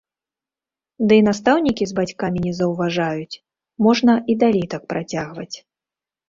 Ды і настаўнікі з бацькамі не заўважаюць, можна і далей так працягваць.